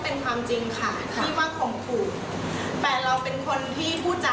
เป็นอารมณ์นี้แต่เรื่องขมขู่ค่ะไม่มีแน่นอนค่ะ